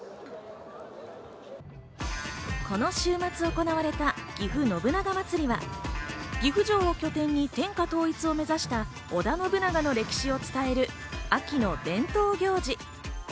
この週末に行われた、ぎふ信長まつりは岐阜城を拠点に天下統一を目指した織田信長の歴史を伝える秋の伝統行事。